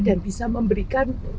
dan bisa memberikan